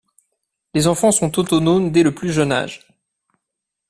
Les enfants sont autonomes dès le plus jeune âge.